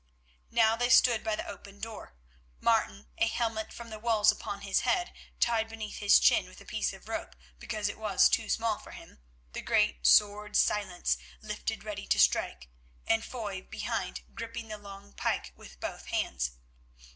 Now they stood by the open door, Martin, a helmet from the walls upon his head, tied beneath his chin with a piece of rope because it was too small for him, the great sword Silence lifted ready to strike, and Foy behind gripping the long pike with both hands.